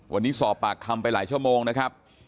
วันนี้สอบปากคำไปหลายชั่วโมงนะครับ